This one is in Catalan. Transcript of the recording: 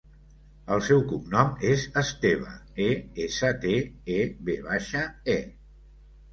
El seu cognom és Esteve: e, essa, te, e, ve baixa, e.